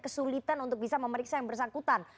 kesulitan untuk bisa memeriksa yang bersangkutan